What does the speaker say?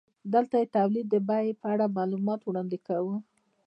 دلته د تولید د بیې په اړه معلومات وړاندې کوو